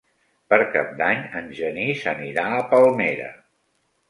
Per Cap d'Any en Genís anirà a Palmera.